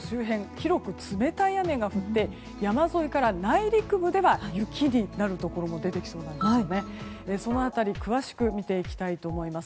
広く冷たい雨が降って山沿いから内陸部では雪になるところも出てきそうなんです。